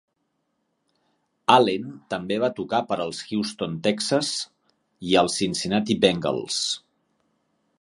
Allen també va tocar per als Houston Texans i els Cincinnati Bengals.